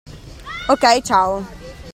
OK, ciao.